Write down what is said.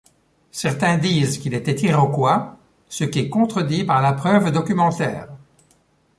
Certain disent qu'il était Iroquois ce qui est contredit par la preuve documentaire.